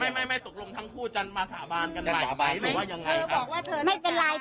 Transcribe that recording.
ไม่ไม่ไม่ตกลงทั้งคู่จะมาสาบานกันไหมแยกสาบานหรือว่ายังไงครับ